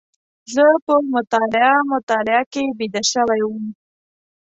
زه په مطالعه مطالعه کې بيده شوی وم.